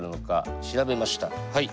はい。